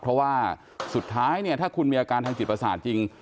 เพราะว่าสุดท้ายเนี่ยถ้าคุณมีอาการทางจิตประสาทจริง